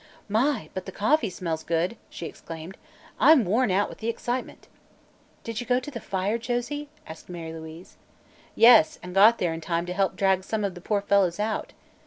"My, but the coffee smells good!" she exclaimed. "I'm worn out with the excitement." "Did you go to the fire, Josie?" asked Mary Louise. "Yes, and got there in time to help drag some of the poor fellows out.